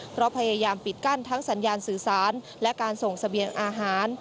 เพราะพยายามปิดกั้นทั้งสัญญาณสื่อสารและการส่งเสบียงอาหาร